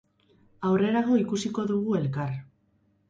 Aurrerago ikusiko dugu elkar.